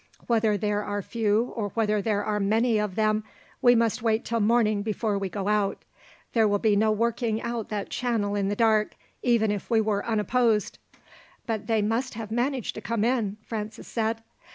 "Whether there are few or whether there are many of them, we must wait till morning before we go out. There will be no working out that channel in the dark, even if we were unopposed." "But they must have managed to come in," Francis said.